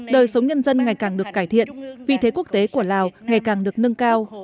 đời sống nhân dân ngày càng được cải thiện vị thế quốc tế của lào ngày càng được nâng cao